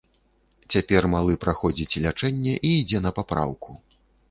Цяпер малы праходзіць лячэнне і ідзе на папраўку.